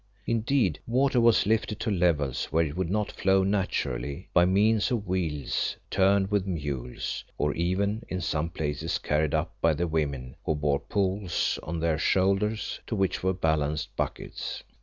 Indeed water was lifted to levels where it would not flow naturally, by means of wheels turned with mules, or even in some places carried up by the women, who bore poles on their shoulders to which were balanced buckets.